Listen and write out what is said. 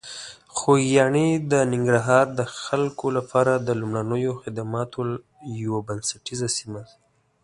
خوږیاڼي د ننګرهار د خلکو لپاره د لومړنیو خدماتو یوه بنسټیزه سیمه ده.